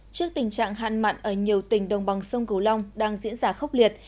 trước tình trạng hạn mặn ở nhiều tỉnh đồng bằng sông cửu long đang diễn ra khốc liệt